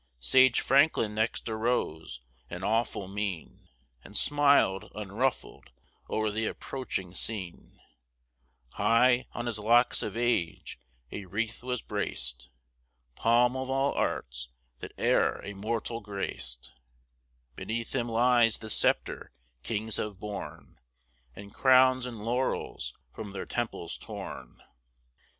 Sage Franklin next arose, in awful mien, And smil'd, unruffled, o'er th' approaching scene; High, on his locks of age, a wreath was brac'd, Palm of all arts, that e'er a mortal grac'd; Beneath him lies the sceptre kings have borne, And crowns and laurels from their temples torn.